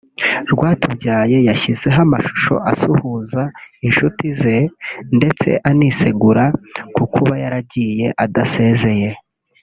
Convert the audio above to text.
Rwatubyaye yashyizeho amashusho asuhuza inshuti ze ndetse anisegura ku kuba yaragiye adasezeye